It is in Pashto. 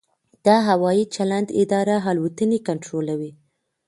د هوايي چلند اداره الوتنې کنټرولوي